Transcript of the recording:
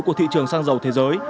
của thị trường xăng dầu thế giới